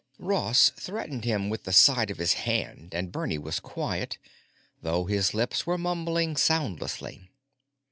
Ross threatened him with the side of his hand and Bernie was quiet, though his lips were mumbling soundlessly.